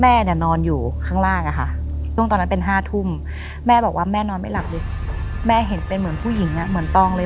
แม่เนี่ยนอนอยู่ข้างล่างอะค่ะช่วงตอนนั้นเป็น๕ทุ่มแม่บอกว่าแม่นอนไม่หลับเลยแม่เห็นเป็นเหมือนผู้หญิงเหมือนตองเลย